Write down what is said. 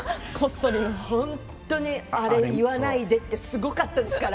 本当にあれ言わないでってすごかったですから。